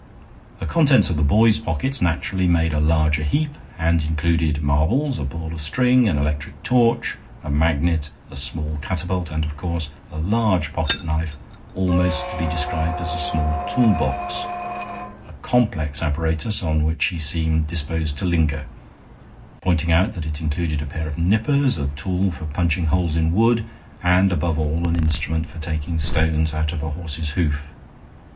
The contents of the boy's pockets naturally made a larger heap, and included marbles, a ball of string, an electric torch, a magnet, a small catapult, and, of course, a large pocketknife, almost to be described as a small tool box, a complex apparatus on which he seemed disposed to linger, pointing out that it included a pair of nippers, a tool for punching holes in wood, and, above all, an instrument for taking stones out of a horse's hoof.